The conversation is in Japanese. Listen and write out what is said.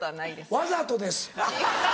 わざとです。